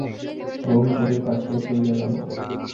রঘুপতির কাজ শেষ হইয়া গেল।